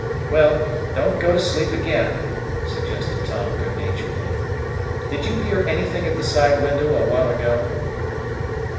"Well, don't go to sleep again," suggested Tom good naturedly. "Did you hear anything at the side window a while ago?"